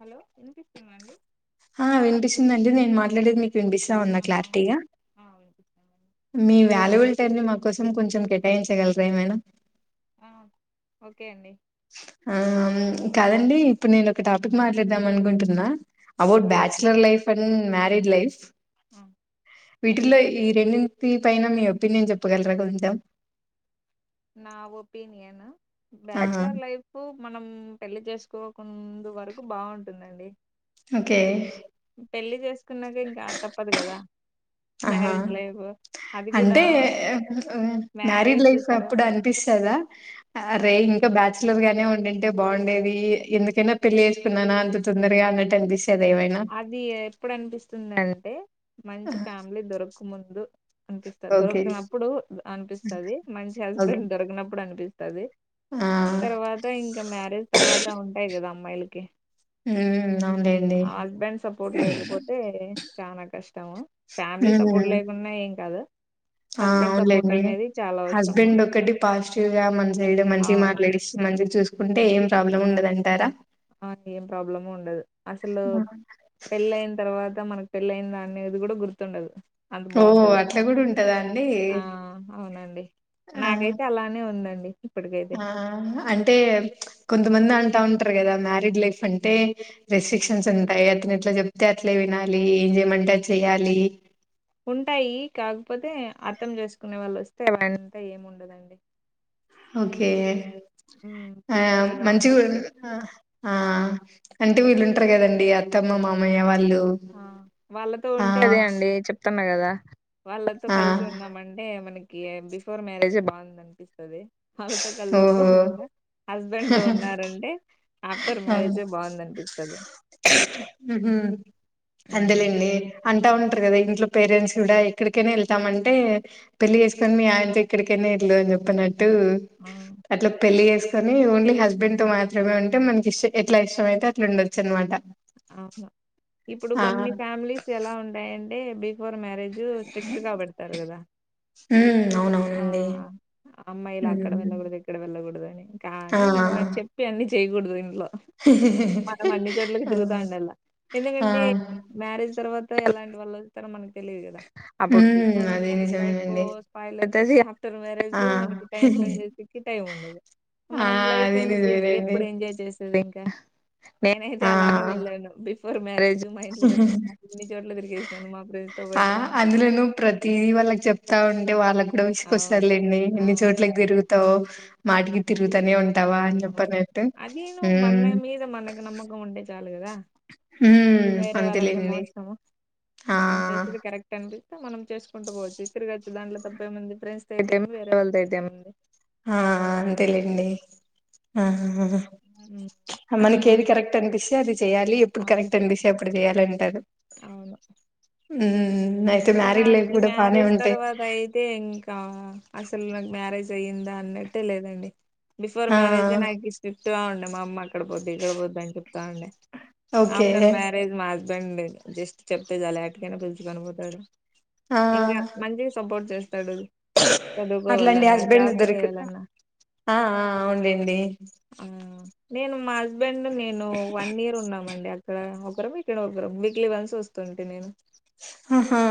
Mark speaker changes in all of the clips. Speaker 1: Hello వినిపిస్తుంద అండి
Speaker 2: ఆ వినిపిస్తుంది నేను మాట్లాడేది మీకు వినిపిస్తా ఉందా
Speaker 1: ఆ
Speaker 2: క్లారిటీగా
Speaker 1: ఆ వినిపిస్తుందండి
Speaker 2: మీ వ్యాల్యుబుల్ టైం ని మాకు. కోసం కొంచెం కేటాయించగలరా ఏమైనా
Speaker 1: ఆ ఓకే అండి
Speaker 2: ఆ హ్మ్ కాదండి ఇప్పుడు నేను ఒక టాపిక్ మాట్లాడదాం అనుకుంటున్నా అబౌట్
Speaker 1: చెప్పండి
Speaker 2: bachelor life hmm marriage life
Speaker 1: ఆ
Speaker 2: వీటిలో ఈ రెండింటి పైన మీ ఓపీనియన్ చెప్పగలరా కొంచెం
Speaker 1: నా ఓపీనియన్
Speaker 2: ఆహా
Speaker 1: బ్యాచలర్ లైఫ్ మనం పెళ్లి చేసుకోకుండు వరకు బాగుంటుందండి
Speaker 2: ఓకే
Speaker 1: కున్నాక ఇంకా తప్పదు కదా
Speaker 2: ఆహా
Speaker 1: మ్యారేజ్ లైఫ్ అది కూడా
Speaker 2: అంటే మ్యారీడ్
Speaker 1: మ్యారేజ్
Speaker 2: లైఫ్
Speaker 1: తర్వా
Speaker 2: అప్పుడు అ అనిపిస్తుదా అరే ఇంకా బ్యాచలర్ గానే ఉండింటేనే బాగుండేది ఎందుకైనా పెళ్లిి చేేసుకున్నానా అంత తొందరగా అన్నట్టు అనిపిస్తా
Speaker 1: అది ఎప్పుడునిపిస్తుంది అంటే
Speaker 2: ఆ!
Speaker 1: మంచి ఫ్యామిలీ దొరుకు ముందు అనిపిస్తది
Speaker 2: ఓకే
Speaker 1: దొరికినప్పుడు అనిపిస్తుంది మంచి
Speaker 2: ఓకే
Speaker 1: హస్బెండ్ దొరికినప్పుడు అనిపిస్తుంది తది
Speaker 2: ఆ
Speaker 1: తర్వాత ఇంకా మ్యారేజ్ తర్వాత ఉంటాయి కదా. అమ్మాయిలకి
Speaker 2: హ్మ్ అవునూలెండి
Speaker 1: ఆ హస్బెండ్ సపోర్ట్ లేకపోతే చాల కష్టం తమ
Speaker 2: ఆ
Speaker 1: హస్బెండ్ సపోర్ట్
Speaker 2: అవునులేండి
Speaker 1: అనేది చాలా అవసరము
Speaker 2: హస్బెండ్ ఒకటి పాజిటివ్ గా మంచి మన సైడ్ మంచిగా
Speaker 1: అవును
Speaker 2: మాట్లాడి మంచిగా చూసు కుంటే ఏం ప్రాబ్లం ఉండదంటారా.
Speaker 1: ఆ ఏం ప్రాబ్లం ఉండదు అసలు పెళ్లిఅయిన తర్వాత మనకు పెళ్ళ అయిందఅనేది కూడా గుర్తుండదు అంత
Speaker 2: ఓ
Speaker 1: బాగుంటది
Speaker 2: అట్లా కూడా ఉంటదా అండి
Speaker 1: ఆ అవునండి
Speaker 2: ఆ
Speaker 1: నాకైతే అలానే ఉందండి ఇప్పటికైతే
Speaker 2: ఆ అంటే కొంతమంది అంటా ఉం అంటరు కదా మ్యారీడ్ లైఫ్ అంటే రెస్ట్రిక్షన్స్ ఉంటాయి అతను ఎట్లా చెప్తే అట్లే వినాలి ఏం చేయమంటే అది చెయాలి
Speaker 1: ఉంటాయి కాకపోతే అర్థం చేసుకునే వాళ్ళు వస్తే అవంత ఏమి ఉండదండి
Speaker 2: ఓకే ఆ
Speaker 1: ఫుల్ ఫ్రీగా
Speaker 2: మంచిగా
Speaker 1: ఉండొచ్చు
Speaker 2: ఊ ఆ ఆ వీళ్ళుంటారు కదండి అత్తమ్మ మామయ్య వాళ్ళు
Speaker 1: ఆ వాళ్ళతో
Speaker 2: ఆ
Speaker 1: ఉంటే అదే అండి చెప్తూన్నా కదా వాళ్ళతో
Speaker 2: ఆ
Speaker 1: కలిసి ఉన్నామంటే మన కియో బిఫోర్ మ్యారేజే బాగుంది అనిపిస తది
Speaker 2: ఓహో
Speaker 1: అవుతగలోకుండా హస్బ హాస్బండ్ తో ఉన్నారంటే ఆఫ్టర్ మ్యారేజే బాగుందనిపిస్తది
Speaker 2: ఉహూ
Speaker 1: ఉమ్
Speaker 2: అంతేలెండి అం అంట ఉంటారు కదా ఇంట్లో పేరెంట్స్ కూడా ఎక్కడికైనా వెళ్తామంటే పెళ్లి చేసుకొని మీ ఆయనతో ఎక్కడికైనా వెళ్ళ అని చెప్పన టూ
Speaker 1: ఉమ్
Speaker 2: అట్లా పెళ్లి చేసు కానీ ఓన్లీ హస్బెండ్ తో మాత్రమే ఉంటే మనకి ఇష్ ఎట్లా ఇష్టమయితే అట్లా ఉండ చ్చునమాట
Speaker 1: అవును ఇప్పుడు గోన్ని ఫ్యామిలీస్ ఎలా ఉంటాయ డే బి బిఫోర్ మ్యారేజ్ స్ట్రిక్ట్ కాబడతారు కదా
Speaker 2: హుమ్
Speaker 1: ఆ అమ్మాయిలు అక్కడ
Speaker 2: ఉమ్
Speaker 1: వెళ్ళకూడదు ఇక్కడ వెళ్ళకూడదు అని
Speaker 2: ఆ
Speaker 1: కానీ మనం అది చెప్పి అన్ని చేయకూడదు ఇంట్లో ఆహ్ మనం అన్ని చోట్లలకు
Speaker 2: ఆ
Speaker 1: తిరుగుతాండల్లా
Speaker 2: ఆ
Speaker 1: ఎందుకంటే మ్యారేజ్ తర్వాత ఎలాంటి వాళ్ళ ఇస్తరో మనకు తెలిదు కదా అప్పుడు
Speaker 2: హ్మ్
Speaker 1: బిఫర్
Speaker 2: అది
Speaker 1: మ్యారేజ్ లైఫ్
Speaker 2: నిజమేనండి.
Speaker 1: స్పాయిల్ అయి తది ఆఫ్టర్
Speaker 2: ఆ
Speaker 1: మ్యారేజు మనకి టైం స్పెండ్ చేసేకి టైం ఉండదు
Speaker 2: ఆ
Speaker 1: మనం లైఫ్
Speaker 2: అది
Speaker 1: ఇందుకే
Speaker 2: నిజమేనండి.
Speaker 1: ఎప్పుడు ఎంజాయ్ చేసేది ఇంకా క నేనైతే
Speaker 2: ఆ
Speaker 1: అలానే వెళ్ళాను బెఫో మ్యారేజ్ మా ఇంట్లో చెప్పకు ఎన్ని చోట్ల తిరిగేసాను మా ఫ్రెండ్స్ తో
Speaker 2: ఆ
Speaker 1: పాటే
Speaker 2: త ఉంటే వాళ్ళకి డ
Speaker 1: అవును
Speaker 2: విసుకొస్తారులేండి ఎన్ని చోట్లకి తిరుగుతావు మాట్గి తిర్
Speaker 1: అ అవును అదేను
Speaker 2: హ్మ్
Speaker 1: మన మీద మనకు నమ్మకం ఉంటే చాలు కదా
Speaker 2: హ్మ్
Speaker 1: వేరే వాళ్ళగేం
Speaker 2: అంతేలేండి.
Speaker 1: అవసరము
Speaker 2: ఆ
Speaker 1: మనం చేసేది కరెక్ట్ అండి మనం చేసుకుంటూ పోవచ్చు తిరచ్చ దాంట్లో తప్ప ఎముంది ఫ్రెండ్స్ అయితే ఏమి వేరే వాళ్ళదయితే ఏముంది
Speaker 2: ఆ
Speaker 1: అంతే
Speaker 2: అంతేలేండి
Speaker 1: మ్మ్
Speaker 2: ఆ మనకి ఏది కరెక్ట్ అంన్స్తీపిస్తీఅది చేయాలి ఎప్పుడు కరెక్ట్
Speaker 1: అంతే
Speaker 2: అనిపిస్తే అప్పుడు చేయాలి అంటారు
Speaker 1: అవును
Speaker 2: ఆ
Speaker 1: ఇంకా నాకు ఈ మ్యారేజ్ తర్వాత అయితే ఇంకా అసలు నాకు మ్యారేజ్ అయిందా అన్నట్టే లేదండి బిఫోర్ మ్యారేజే
Speaker 2: ఆ
Speaker 1: నాకిష్టం టూ అండు మమాట్ ఇక్కడ పోద్ది ఇక్కడ పోద్ అని చెప్తాండి
Speaker 2: ఓకే
Speaker 1: ఆఫ్టర్ మ్యారేజ్ మా ఇ్వండి జస్ట్ చెప్తే చాలా ఎయాకైనాిలిి కనిపోతుంది సరె ఇంకా మంచిగా సపోర్ట్ చేస్త
Speaker 2: అట్లాండి హస్బెండ్
Speaker 1: జాబ్
Speaker 2: దొరికిన
Speaker 1: చేయాలన్నా
Speaker 2: ఆ అవుంలే అండి
Speaker 1: ఆ నేను మా హస్బెండ్ నేను వన్ ఇయర్ ఉన్నాం అండి అక్కడ ఒకరు కిరం వీక్లీ వన్స్ వస్తుంటే నేను
Speaker 2: అహా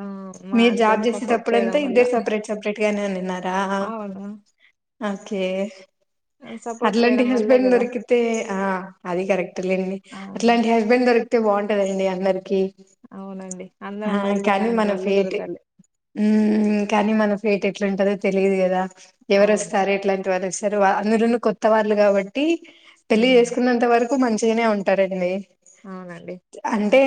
Speaker 1: ఆ మా
Speaker 2: మీరు జాబ్
Speaker 1: హస్బెండ్ సపోర్ట్ చేయడం
Speaker 2: చేసేటప్పుడంతా
Speaker 1: వల్ల
Speaker 2: ఇద్దరు సపరేట్ సపరేట్గానే తిన్నారా
Speaker 1: అవును
Speaker 2: ఓకే
Speaker 1: సపోర్ట్
Speaker 2: అట్లాంటి
Speaker 1: చేయడం వల్లే
Speaker 2: హస్బెండ్
Speaker 1: కదా
Speaker 2: దొరికితే ఆ అది కరెక్ట్ లేండి
Speaker 1: ఆ
Speaker 2: అట్లాంటి హస్బెండ్ దొరికితే బాగుంటదండి అందరికి ఆమ్
Speaker 1: అవునండి అందరు
Speaker 2: ఆ
Speaker 1: అమ్మాయిలకి
Speaker 2: కానీ
Speaker 1: అలాంటి
Speaker 2: మన
Speaker 1: వాళ్ళే
Speaker 2: ఫేట్
Speaker 1: దొరకాలి
Speaker 2: మ్మ్ కానీ మన బెయట్ ఎట్లు ఉంటదో తెలియదు కదా ఎవరు
Speaker 1: అవును
Speaker 2: వస్తారు ఎట్లాంటి వాళ్ళు వస్తార్ అందురు కొత్త వాళ్ళ కాబట్టి పెళ్లి
Speaker 1: ఉమ్
Speaker 2: చేసుకున్నంత వరకు మంచిగానే ఉంటారండి
Speaker 1: అవునండి
Speaker 2: అంటే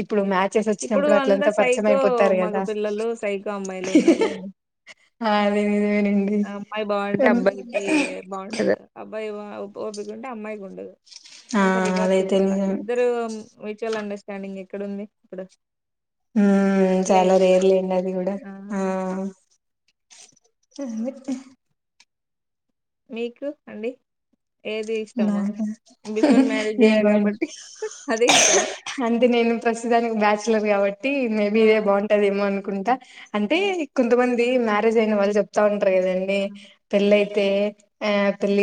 Speaker 2: ఇప్పుడు మ్యా
Speaker 1: ఇప్పుడు అంతా సైకో మగ
Speaker 2: కదా
Speaker 1: పిల్లలు సైకో అమ్మాయిలు ఉన్నారులేని
Speaker 2: అదే నిజమేనండి
Speaker 1: అమ్మాయి బాగుంటే అబ్బాయికి బాగుండదు వ ఒపికంట అమ్మాయికి ఉండదు
Speaker 2: ఆ
Speaker 1: అంతరివారస్
Speaker 2: అదైతే
Speaker 1: ఇప్పుడు
Speaker 2: నిజమే
Speaker 1: ఇద్దరు మ్యూచువల్ అండస్ స్టాండింగ్ ఎక్కడ ఉంది ఇప్పుడ
Speaker 2: చాలా రేర్ లెండి అది కూడా ఆ హమ్మ [unintelligible]
Speaker 1: మీకు అండి ఏది ఇష్టము
Speaker 2: నాక
Speaker 1: బిఫోర్ మ్యారేజ్
Speaker 2: ఏమండి
Speaker 1: కాబట్టి అదే ఇష్టమా
Speaker 2: అంటే నేను ప్రస్తుతానికి బ్యాచలర్ కాబట్టి మేబీ
Speaker 1: ఆ
Speaker 2: ఇదే బాగుంటదేమో అను [inaudible] అంటే
Speaker 1: ఆ
Speaker 2: కొంతమంది మ్యారేజ్ అయిన వాళ్ళ చెప్తా ఉ లేదండి
Speaker 1: ఆ,
Speaker 2: ప్లే తే ఆ పిలి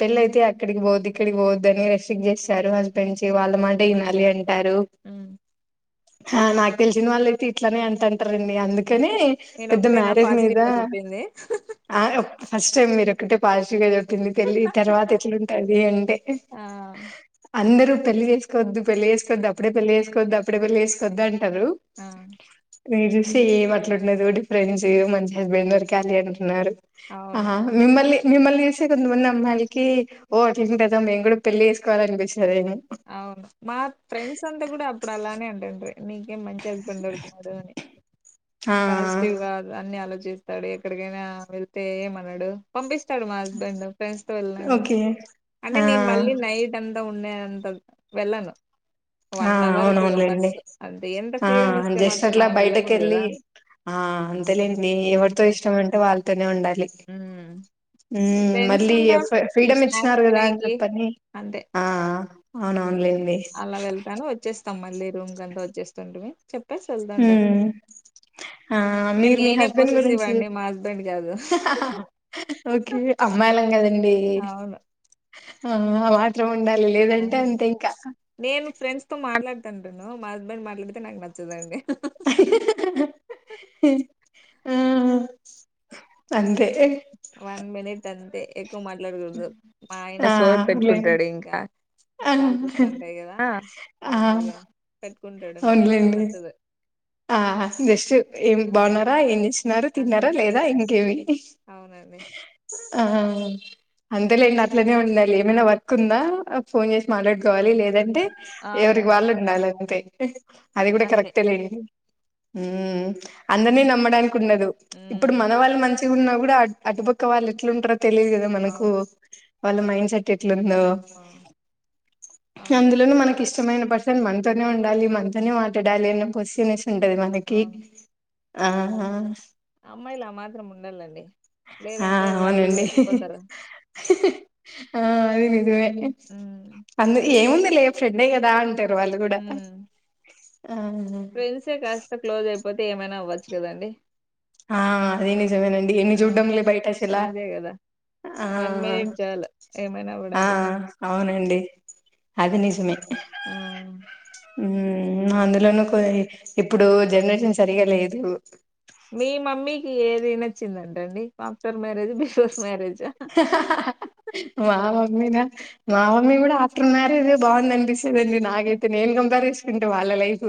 Speaker 2: పేల ఇయితే ఆ ఇక్కడికి పోద్దు ఇక్కడికి పోవద్దు అని రెస్ట్రిక్ చేస్తారు హస్బెండ్ కి వాళ్ళ మాటే వినాలి అంటే సారు
Speaker 1: ఉమ్
Speaker 2: ఆ నాకు తెలిసిన వాళ్ళుయితే ఇట్లనే అంటుంటారండి అందుక కాని
Speaker 1: నేను
Speaker 2: పెద్ద
Speaker 1: ఒకతేనా
Speaker 2: మ్యారేజ్ మీద
Speaker 1: పాజిటివ్ గా చెప్పింది
Speaker 2: ఆ ఫస్ట్ టైమ్ మీరు ఒకక్కటే పాజివ్ గా చెప్తుంది పెళ్ళి తర్వాత పదింటే
Speaker 1: ఆ
Speaker 2: అందరు పెళ్లి చేసుకోద్ పెళ్లి చేసుకోద్ అప్పుడే పెళ్లి చేసుకోద్ అప్పుడ పెళ్లి చేసుకోద్ద్ అనే ఎవరు
Speaker 1: ఆ
Speaker 2: మీరు చూసి ఏమి అట్లా ఉంటన్నదు డిఫరెండ్స్ మంచి [unintelligible] అంటున్నారు ఆ
Speaker 1: అవును
Speaker 2: మిమ్మల్లి మిమ్మల్ని కొంతమంది అమ్మాయిలకి ఓ [unintelligible] కదా మేము కూడా పెళ్లి చేసుకోవాలనిపిస్తుంది
Speaker 1: అవును మా ఫ్రెండ్స్ అంతా కూడా అప్పుడు అలానే అంటండీ [unintelligible] [unintelligible]
Speaker 2: ఆ
Speaker 1: పాజిటివ్ గా అనీ ఆలో చేస్తాడు ఎక్కడికైనా వెళ్తే ఏమన్నాడు పంపిస్తాడు మా హస్బెండ్ ఫ్రెండ్స్ తో వెళ్ళిన కూడా
Speaker 2: ఓకే
Speaker 1: అంటే
Speaker 2: ఆ
Speaker 1: నేను మళ్ళీ నైట్ అంతా ఉండే వెళ్ళను
Speaker 2: ఆ
Speaker 1: వన్ అవర్ టూ
Speaker 2: అవునవునులేండి
Speaker 1: అవర్స్ అంతే ఎంత
Speaker 2: ఆ
Speaker 1: ఫ్రీడమ్ ఇస్తే మాత్రం
Speaker 2: చేసినట్లా
Speaker 1: మనం
Speaker 2: బయటక
Speaker 1: వెళ్ళకూడదు
Speaker 2: వెళ్ళి
Speaker 1: కదా
Speaker 2: ఆ అంతేలేండి ఎవరితో ఇష్టం అంటే వాళ్ళతోనే ఉండాలి
Speaker 1: ఫ్రెండ్స్
Speaker 2: మళ్ళీ
Speaker 1: ఉంటా
Speaker 2: ఫ్రీడమ్
Speaker 1: స్నాక్స్
Speaker 2: ఇచ్చినారు కదా అని
Speaker 1: తినేకి
Speaker 2: చెప్పని
Speaker 1: అంతే
Speaker 2: ఆ అవునవునులేండి
Speaker 1: అలా వెళ్తాను వచ్చేస్తాం మళ్ళీ రూమ్ కంతా వచ్చేస్తుంటువి ఇగ
Speaker 2: మీరు మీ
Speaker 1: నేనే
Speaker 2: హస్బెండ్
Speaker 1: పొసెసివ్
Speaker 2: గురించి
Speaker 1: అండి మా హస్బెండ్ కాదు
Speaker 2: ఓకే అమ్మాయిలం కదా అండీ
Speaker 1: అవును
Speaker 2: ఆ మాత్రం ఉండాలి లేదంటే
Speaker 1: ఆ
Speaker 2: అంతే ఇంకా
Speaker 1: ంటును మా హస్బెండ్ మాట్లాడితే నాకు నచ్చదండి
Speaker 2: ఆ అంతే
Speaker 1: వన్ మినిట్ అంతే ఎక్కు మాట్లాడకూడదు మా ఆయన
Speaker 2: ఆ
Speaker 1: సొన్
Speaker 2: లే
Speaker 1: పెట్టుకుంటాడు ఇంకా
Speaker 2: ఆ
Speaker 1: కాల్స్ వస్తాంటాయి కదా
Speaker 2: ఆ!
Speaker 1: నార్మల్ గా కుంటాడు నాకు అస్సలు
Speaker 2: అవునులేండి
Speaker 1: నచ్చదు
Speaker 2: ఆ జస్ట్ ఏం
Speaker 1: ఆ,
Speaker 2: బాగున్నారా ఏం ఇచ్చినార
Speaker 1: అంతే
Speaker 2: తిన్నారా లేదా ఇంకేమి
Speaker 1: అవునండి
Speaker 2: ఆ అంతేలెండి అట్లనే ఉండాలి ఏమైనా వర్క్ ఉందా ఫోన్ చేసి మాట్లాడుకోవాలి లే లేదంటే ఎవరికి
Speaker 1: అవునండి
Speaker 2: వాళ్ళు ఉండాలి అంతే [unintelligible] అది కూడా
Speaker 1: అంతే
Speaker 2: కరెక్ట్ లెండి అందరిని నమ్మడాని ఉండదు ఇప్పుడు
Speaker 1: ఉమ్
Speaker 2: మన వాళ్ళు మంచి ఉన్నా కూడా అటుపక్క వాళ్ళ ఎట్లుంటారు తెలిదు కదా మనకు
Speaker 1: అవును
Speaker 2: వాళ్ళ మైండ్ సెట్ ఎట్లుందో
Speaker 1: ఆ అవునండి
Speaker 2: అందులో మనకి ఇష్టమైన మనతోనే ఉండాలి మనతోనే మాట్లాడాలి అని పోసెసివ్ ఉంటది మనకి
Speaker 1: అవును
Speaker 2: ఆ
Speaker 1: అమ్మాయిలు ఆ మాత్రం ఉండాలండి
Speaker 2: ఆ
Speaker 1: లేదంటే వాళ్ళు
Speaker 2: అవునండి
Speaker 1: కూడా ఎక్కిపోతారు
Speaker 2: ఆ అది నిజమే
Speaker 1: ఉమ్
Speaker 2: అందు ఏముంది ఫ్రెండే కద అంట వాళ్ళు కూడా
Speaker 1: ఉమ్
Speaker 2: ఆ
Speaker 1: తె కాస్త క్లోజ్ అయిపోతే ఏమైనా అవ్వచ్చు కదండి
Speaker 2: ఆ అదే నిజమేనండి ఎన్ని
Speaker 1: ఆ
Speaker 2: చూడ్డంలే బయట అసలా
Speaker 1: అదే కదా
Speaker 2: ఆ
Speaker 1: వన్ మినిట్ చాలు ఏమైనా
Speaker 2: ఆ
Speaker 1: అవ్వడానికి
Speaker 2: ఆ అవునండి అది నిజమే
Speaker 1: ఆ
Speaker 2: మ్మ్ అందులోనూ ఇప్పుడు జనరేషన్ సరిగా లేదు
Speaker 1: మీ మమ్మీకి ఏది నచ్చిందంటండి ఆఫ్టర్ మ్యారేజ్ బిఫోస్ మ్యారేజ్
Speaker 2: మా మమ్మీనా మా మమ్మీ కూడా ఆఫ్టర్ మ్యారేజ్ బాగుంద అనిపిస్త న నాగయితే నేను కంపేర్ చెస్ అంటే వాళ్ళలైఫ్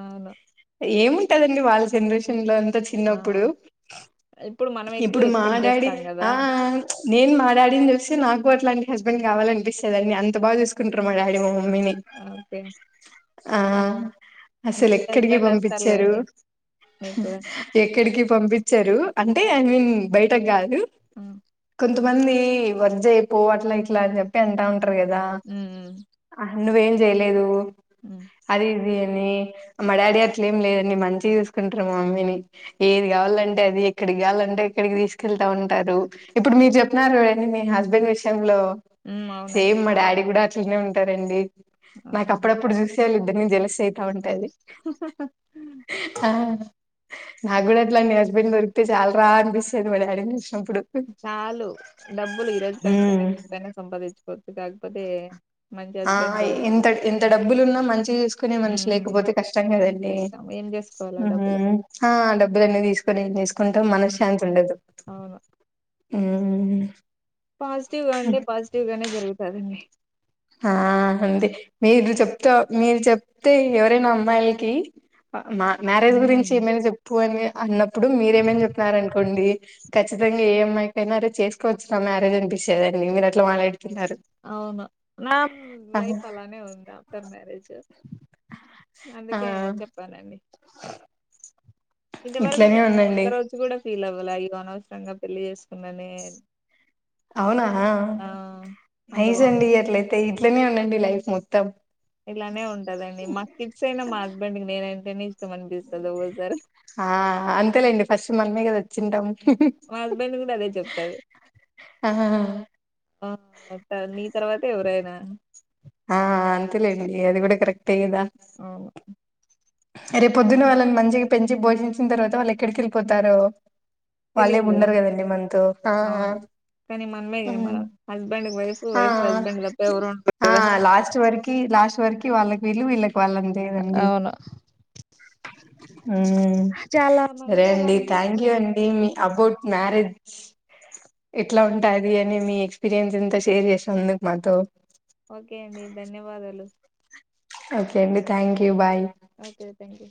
Speaker 1: అవును
Speaker 2: ఏము ఉంటదండి వాళ్ళ జనరేషన్ లో
Speaker 1: ఆ
Speaker 2: చిన్నప్పుడు
Speaker 1: ఇప్పుడు మనం ఎక్కువ
Speaker 2: ఇప్పుడు మా
Speaker 1: ఎక్స్పెక్ట్
Speaker 2: డాడీ
Speaker 1: చేస్తాం కదా
Speaker 2: ఆ నేను మాడాడీని చూసి నాకు అట్లాంటి హస్బెండ్ కావాల అనిపిస్తుదండి అంత బాగా చూసుకుంటారు మా డాడీ మా మమ్మీని
Speaker 1: ఓకే
Speaker 2: ఆ అసలు
Speaker 1: మంచి
Speaker 2: ఎక్కడికి
Speaker 1: హస్బెండ్
Speaker 2: పంపించారు
Speaker 1: వస్తారులేండి మీకు కూడా
Speaker 2: ఎక్కడికి పంపించారు అంటే ఐ మీన్ బయటకి కాదు
Speaker 1: మ్మ్
Speaker 2: కొంతమంది వర్క్ చెయ్యి పో అట్లా ఇట్లా అని చెప్పి అంటా ఉంటు కదా
Speaker 1: ఉమ్
Speaker 2: నువ్వేం చేయలేదు
Speaker 1: ఉమ్
Speaker 2: అది ఇది కాని మా డాడీ అట్లే ఏం లేదంని మంచి చూసుకుంటారు మా మమ్మీని ఏది కావాలంటే అది ఎక్కడికి కావాలంటే ఎక్కడికి తీసుకెళ్తా ఉంటారు ఇప్పుడు మీరు చెప్న్నారుండి మీ హస్బెండ్ విషయంలో
Speaker 1: ఉమ్ అవునండి
Speaker 2: సేమ్ మా డాడి కూడా చూస్తూనే ఉంటారండి
Speaker 1: ఆ
Speaker 2: నాక్ అప్పుడప్పుడు చూసి ఇద్దరిని జలస అయితా ఉంటాది
Speaker 1: హ్ హ
Speaker 2: నాగూడా అట్లా నీ హస్బెండ్ దొరుకితే చాల రా అనిపిస్తాది మ డాడీ నీ చూస్ ఇప్పుడు ప్
Speaker 1: ఆలు డబ్బులు ఇరో కా సంపాదించుకో కా ప్పద
Speaker 2: ఆ ఎంత ఎంత డబ్బులున్నా మంచి గా చెస్ సుకునే మనిషి
Speaker 1: ఉమ్
Speaker 2: లేకపోతే కష్టం కదండి
Speaker 1: కష్టం ఏం చేసుకోవాల డబ్బులు
Speaker 2: ఆ డబ్బులన్నీ తీసుకొని ఏం చేసుకుంటాం
Speaker 1: అవును
Speaker 2: మనశాంతి ఉండదు మ్మ్
Speaker 1: పాజిటీవ్ అండి పాజసిటీవ్గా జరుగుతదండి
Speaker 2: ఆ అంతే మీరు చెప్తా మీరు చెప్తే ఎవరైనా అమ్మాయిలకి మా మ్యారేజ్ గురించి
Speaker 1: ఉమ్
Speaker 2: ఏమైనా చెప్పు అని అన్నప్పుడు మీరేమైనా చెప్పినారు అనుకోండి ఖచ్చితంగా ఏ అమ్మాయికైనా అరే చేసుకోవచ్చునా మ్యారేజ్ అనిపిస్తదండి మీరు అట్లా మాట్లాడి [unintelligible]
Speaker 1: అవును నా లైఫ్ అలానే ఉంది ఆఫ్టర్ మ్యారేజ్ అందుకే చెప్పానండి
Speaker 2: హ్మ్మ్
Speaker 1: ఇంతవరకు నాన్ ఒక్క రోజు కూడా ఫీల్ అవ్వాలా ఈనీ అనవసరంగా పెళ్లి చేసుకున్నానే
Speaker 2: అవునా
Speaker 1: ఆ అంత
Speaker 2: నైస్ అండి
Speaker 1: బాగుంది
Speaker 2: అట్లయితే ఇట్ల నే ఉన్న నీ లైఫ్ మొత్తం
Speaker 1: ఇలానే ఉం కదండి మా కిడ్స్ అయినా మా హస్బెండ్ కి నేనయన అంట ఇష్ట మంది బిస్స ఒగ సారి
Speaker 2: ఆ అంతేలేండి ఫస్ట్ మనమే కదా వచ్చింటాము
Speaker 1: మా హస్బెండ్ కూడా అదే చెప్తాడు
Speaker 2: ఆహ్
Speaker 1: ఆ త నీ తర్వాత ఎవరైనా
Speaker 2: ఆ అంతేలేండి అది కూడా కరెక్ట్ తెయదా
Speaker 1: అవును
Speaker 2: రేపు పొద్దున్న వాళ్ళని మంచిగా పెంచి భోషించిన తర్వాత వాళ్ళు ఎక్కడికి వెళ్ళిపోతారు వాళ్ళే
Speaker 1: తెలీదు కదా
Speaker 2: ఉన్నారు కదండి మనతో
Speaker 1: అవును కానీ మనమే మన హస్బెండ్ వైఫ్ వైఫ్ హస్బెండ్ తప్ప ఎవరు ఉండరు కదా
Speaker 2: లాస్ట్ వరకి లాస్ట్ వరికి వాళ్ళకి వీళ్లు వీళకి వాళ్ళంతే అండి
Speaker 1: అవును. చాలా
Speaker 2: సరే
Speaker 1: మంది అలా
Speaker 2: అండి థ్యాంక్ యూ
Speaker 1: ఉన్నారండి
Speaker 2: అండి మీ అబౌట్ మ్యారేజ్ ఎట్లా ఉంటాది అని మీ ఎక్స్పీరియన్స్ ఎంత షేర్ చేసినందుకు మాతో
Speaker 1: ఓకే అండి ధన్యవాదాలు
Speaker 2: ఓకే అండి thank you bye
Speaker 1: okay thank you